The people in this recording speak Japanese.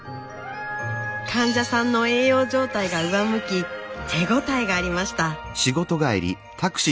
患者さんの栄養状態が上向き手応えがありました。